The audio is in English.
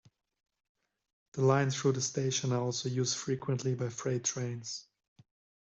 The lines through the station are also used frequently by freight trains.